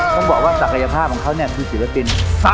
ต้องบอกว่าศักยภาพของเขาเนี่ยคือศิลปิน